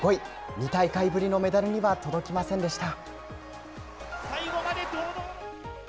２大会ぶりのメダルには届きませんでした。